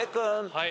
はい。